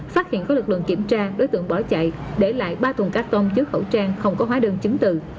phát hiện có lực lượng kiểm tra đối tượng bỏ chạy để lại ba thùng carton dưới khẩu trang không có hóa đơn chứng từ